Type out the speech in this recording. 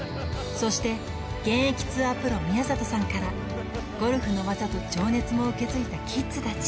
そして現役ツアープロ・宮里さんからゴルフの技と情熱も受け継いだキッズたち